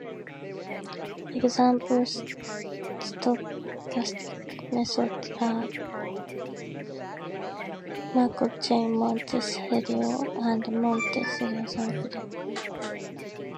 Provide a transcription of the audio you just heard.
Example stochastic methods are Markov Chain Monte Carlo and Monte Carlo sampling.